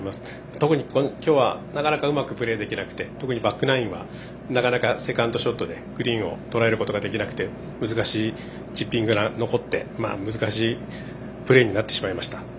特に今日はなかなかうまくプレーできなくて特にバックナインはなかなかセカンドショットでグリーンをとらえることができず難しいチッピングが残って難しいプレーになってしまいました。